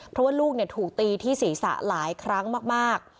เพราะว่าลูกถูกตีที่ศีรษะหลายครั้งมาก